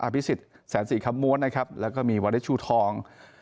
อภิษฐศ์แสนสี่คำมวลนะครับแล้วก็มีวัดเล็กชูทอง